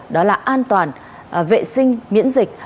đó là an toàn vệ sinh miễn dịch